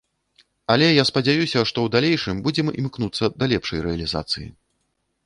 Але я спадзяюся, што ў далейшым будзем імкнуцца да лепшай рэалізацыі.